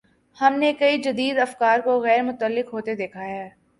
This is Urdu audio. ہم نے کئی جدید افکار کو غیر متعلق ہوتے دیکھا ہے۔